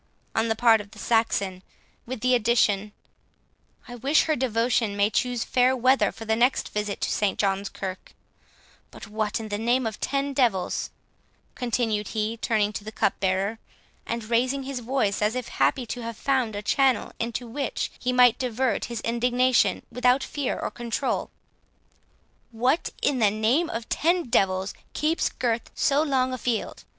on the part of the Saxon, with the addition, "I wish her devotion may choose fair weather for the next visit to St John's Kirk;—but what, in the name of ten devils," continued he, turning to the cupbearer, and raising his voice as if happy to have found a channel into which he might divert his indignation without fear or control—"what, in the name of ten devils, keeps Gurth so long afield?